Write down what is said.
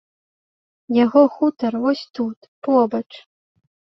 Яго хутар вось тут, побач.